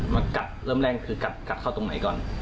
มากัดเริ่มแรกคือกัดเข้าตรงไหนก่อน